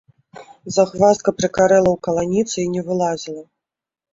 Загваздка прыкарэла ў каланіцы і не вылазіла.